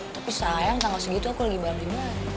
tapi sayang tanggal segitu aku lagi balap balap